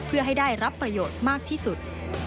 เพื่อให้ได้รับประโยชน์มากที่สุด